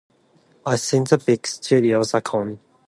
I think the big studios are a con.